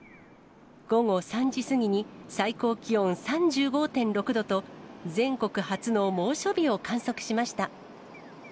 午後３時過ぎに、最高気温３５．６度と、全国初の猛暑日を観測しました。